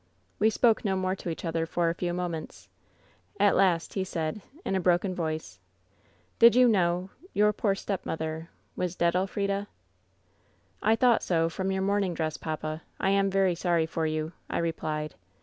"We spoke no more to each other for a few moments. At last he said, in a broken voice :" ^Did you know — your poor stepmother — ^was dead, Elf rida r " 'I thought so, from your mourning dress, papa. I am very sorry for you,' I replied.